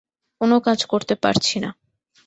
কোনো কাজ করতে পারছি না।